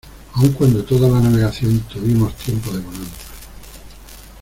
aun cuando toda la navegación tuvimos tiempo de bonanza